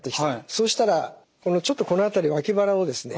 そうしたらちょっとこの辺り脇腹をですね